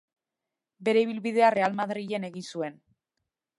Bere ibilbidea Real Madriden egin zuen.